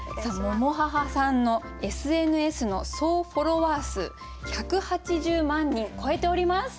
ｍｏｍｏｈａｈａさんのＳＮＳの総フォロワー数１８０万人超えております！